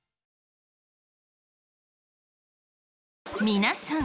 皆さん